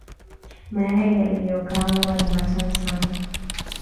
Mayai yaliyokaangwa ni matamu sana.